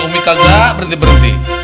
umi kagak berhenti berhenti